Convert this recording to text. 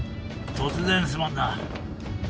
突然すまんな。